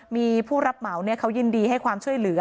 มีผู้รับเหมาเขายินดีให้ความช่วยเหลือ